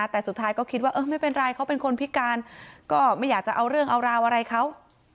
แต่สุดท้ายก็คิดว่าเออไม่เป็นไรเขาเป็นคนพิการก็ไม่อยากจะเอาเรื่องเอาราวอะไรเขา